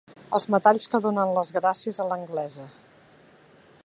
Els metalls que donen les gràcies a l'anglesa.